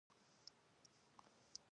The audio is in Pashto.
لیک یې ورته ولوست.